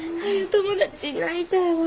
友達になりたいわ。